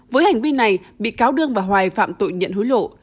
với hành vi này bị cáo đương và hoài phạm tội nhận hối lộ